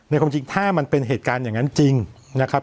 ความจริงถ้ามันเป็นเหตุการณ์อย่างนั้นจริงนะครับ